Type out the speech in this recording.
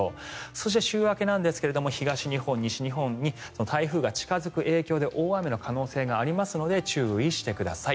そして、週明けなんですが東日本、西日本に台風が近付く影響で大雨の可能性がありますので注意してください。